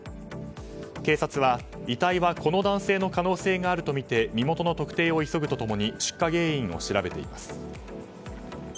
警察は遺体はこの男性の可能性があるとみて身元の特定を急ぐと共に出火原因を調べています。